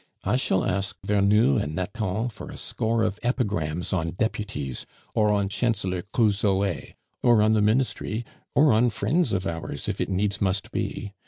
I shall ask Vernou and Nathan for a score of epigrams on deputies, or on 'Chancellor Cruzoe,' or on the Ministry, or on friends of ours if it needs must be.